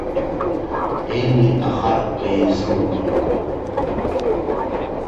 Ели ахаҳәқәа еизылгон.